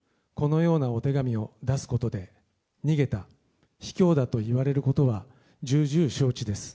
きょう、記者会見に出席せず、このようなお手紙を出すことで、逃げた、卑怯だと言われることは重々承知です。